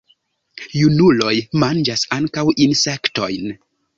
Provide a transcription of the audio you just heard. Junuloj manĝas ankaŭ insektojn.